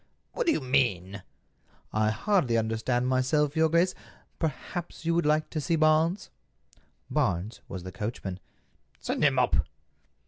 "What do you mean?" "I hardly understand myself, your grace. Perhaps you would like to see Barnes." Barnes was the coachman. "Send him up."